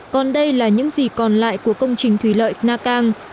còn đây là những gì còn lại của công trình thủy lợi na cang